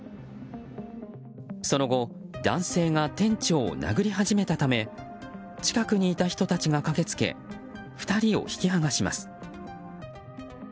その後、男性が店長を殴り始めたため近くにいた人たちが駆けつけ２人を引き剥がします。